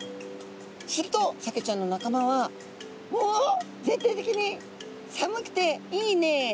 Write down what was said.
するとサケちゃんの仲間は「おお！全体的に寒くていいね。